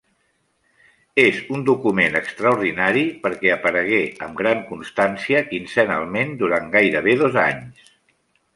És un document extraordinari perquè aparegué amb gran constància, quinzenalment, durant gairebé dos anys.